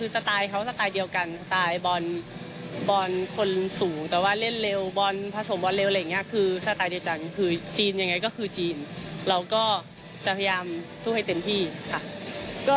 จีนยังไงก็คือจีนเราก็จะพยายามสู้ให้เต็มที่ครับ